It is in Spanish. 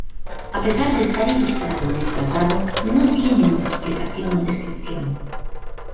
A pesar de estar ilustrado en el tratado, no tiene una explicación o descripción.